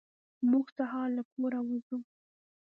موږ سهار له کوره وځو.